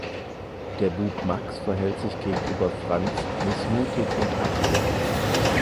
Der Bub Max verhält sich gegenüber Franz missmutig und ablehnend.